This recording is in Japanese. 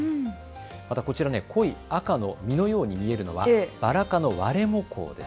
また、濃い赤の実のように見えるのはバラ科のワレモコウです。